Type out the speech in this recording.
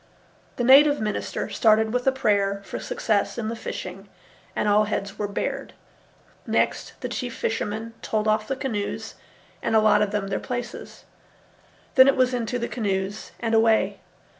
The native minister started with a prayer for success in the fishing, and all heads were bared. Next, the chief fishermen told off the canoes and allotted them their places. Then it was into the canoes and away.